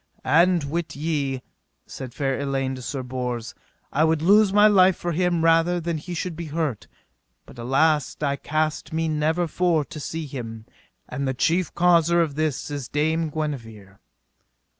And wit ye well, said fair Elaine to Sir Bors, I would lose my life for him rather than he should be hurt; but alas, I cast me never for to see him, and the chief causer of this is Dame Guenever.